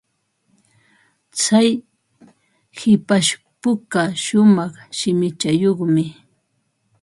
Tsay hipashpuka shumaq shimichayuqmi.